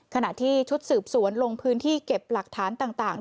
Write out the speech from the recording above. ขณะที่ชุดสืบสวนลงพื้นที่เก็บหลักฐานต่าง